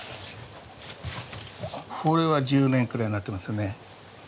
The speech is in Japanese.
これは１０年くらいになってますよね。